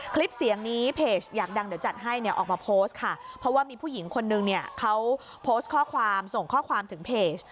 คลิปเสียงนี้เพจอยากดังเดี๋ยวจัดให้เนี่ยออกมาโพสต์ค่ะเพราะว่ามีผู้หญิงคนนึงเนี่ยเขาโพสต์ข้อความส่งข้อความถึงเพจ